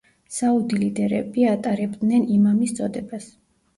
საუდი ლიდერები ატარებდნენ იმამის წოდებას.